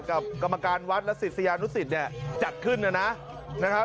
กับกรรมการวัดละสิสยานุติดจัดขึ้นเนี่ยนะ